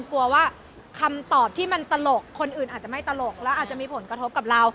กลัวว่าคำตอบที่มันตลกคนอื่นอาจจะไม่ตลกแล้วอาจจะมีผลกระทบกับเรา